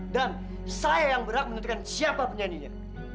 dan saya yang berhak menentukan siapa penyanyinya